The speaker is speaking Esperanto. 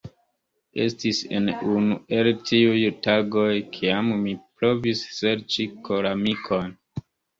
Estis en unu el tiuj tagoj, kiam mi provis serĉi koramikon.